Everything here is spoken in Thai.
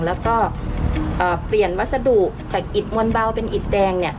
แล้วก็เปลี่ยนวัสดุจากอิดมวลเบาเป็นอิดแดง